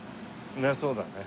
そうだね。